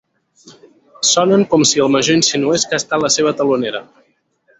Sonen com si el major insinués que ha estat la seva telonera.